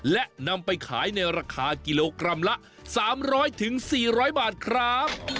และนำไปขายในราคากิโลกรัมละสามร้อยถึงสี่ร้อยบาทครับ